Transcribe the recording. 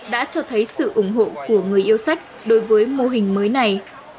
đã cho thấy sự ủng hộ của người yêu sách đối với mô hình mới này